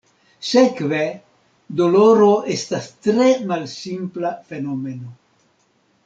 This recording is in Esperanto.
Sekve, doloro estas tre malsimpla fenomeno.